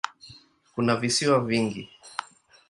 Kuna visiwa vingi.